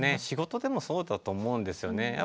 仕事でもそうだと思うんですよね。